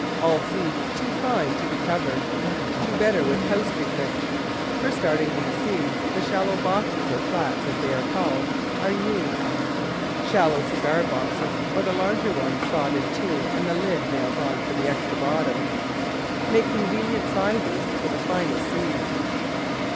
All seeds too fine to be covered do better with house treatment. For starting these the shallow boxes or flats, as they are called, are used. Shallow cigar boxes, or the larger ones sawed in two and the lid nailed on for the extra bottom, make convenient sizes for the finest seeds.